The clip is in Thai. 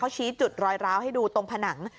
ชี้จุดรอยร้าวให้ดูตรงผนัง